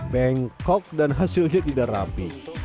bengkok dan hasilnya tidak rapi